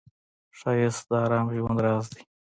ښایست د آرام ژوند راز دی